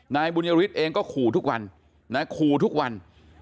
นายบุญยฤทธิ์เองก็ขู่ทุกวันนะขู่ทุกวัน